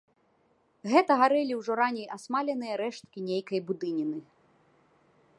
Гэта гарэлі ўжо раней асмаленыя рэшткі нейкай будыніны.